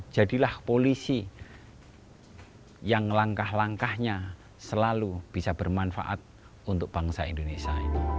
jadilah polisi yang langkah langkahnya selalu bisa bermanfaat untuk bangsa indonesia